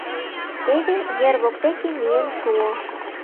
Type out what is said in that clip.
Теве ер воктеке миен шуо.